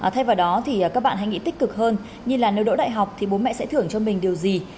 thay vào đó thì các bạn hãy nghĩ tích cực hơn như là nếu đỗ đại học thì bố mẹ sẽ thưởng cho mình điều gì